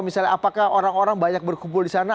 misalnya apakah orang orang banyak berkumpul di sana